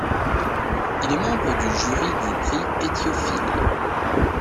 Il est membre du jury du Prix Étiophile.